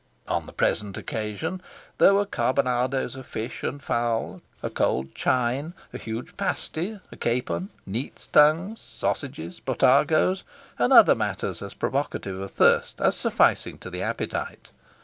On the present occasion, there were carbonadoes of fish and fowl, a cold chine, a huge pasty, a capon, neat's tongues, sausages, botargos, and other matters as provocative of thirst as sufficing to the appetite.